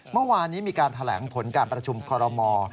เมื่อวานนี้มีการแถลงผลการประชุมคอรมอล